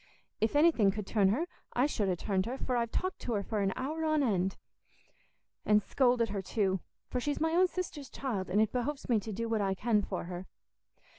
If anything could turn her, I should ha' turned her, for I've talked to her for a hour on end, and scolded her too; for she's my own sister's child, and it behoves me to do what I can for her.